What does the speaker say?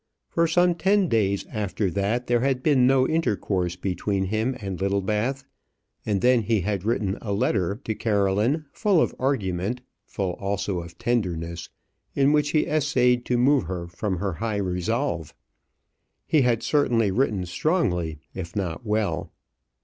For some ten days after that there had been no intercourse between him and Littlebath; and then he had written a letter to Caroline, full of argument, full also of tenderness, in which he essayed to move her from her high resolve. He had certainly written strongly, if not well.